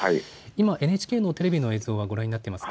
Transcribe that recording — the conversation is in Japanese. ＮＨＫのテレビの映像、ご覧になっていますか？